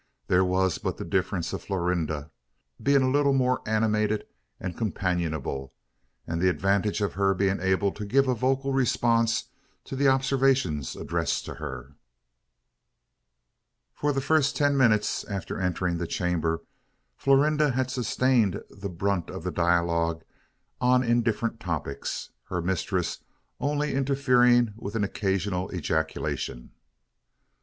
There was but the difference of Florinda being a little more animated and companionable, and the advantage of her being able to give a vocal response to the observations addressed to her. For the first ten minutes after entering the chamber, Florinda had sustained the brunt of the dialogue on indifferent topics her mistress only interfering with an occasional ejaculation.